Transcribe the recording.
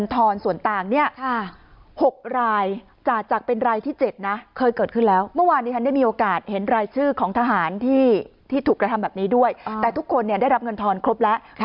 ที่๗นะเคยเกิดขึ้นแล้วเมื่อวานที่ท่านได้มีโอกาสเห็นรายชื่อของทหารที่ที่ถูกกระทำแบบนี้ด้วยแต่ทุกคนเนี่ยได้รับเงินทอนครบแล้ว